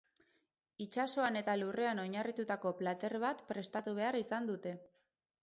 Itsasoan eta lurrean oinarritutako plater bat prestatu behar izan dute.